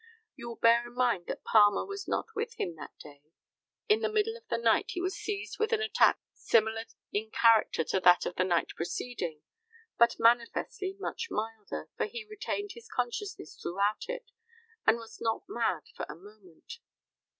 You will bear in mind that Palmer was not with him that day. In the middle of the night he was seized with an attack similar in character to that of the night preceding, but manifestly much milder, for he retained his consciousness throughout it, and was not mad for a moment.